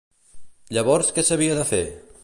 Llavors, què s'havia de fer?